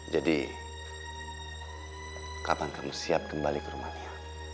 jadi kapan kamu siap kembali ke rumania